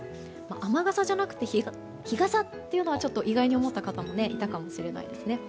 雨傘じゃなくて日傘というのはちょっと意外に思った方もいたかもしれないですね。